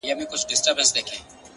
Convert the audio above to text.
• له پلرونو له نيكونو موږك خان يم,